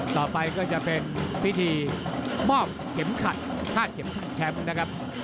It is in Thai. ต่อไปก็จะเป็นพิธีมอบเข็มขัดคาดเข็มขัดแชมป์นะครับ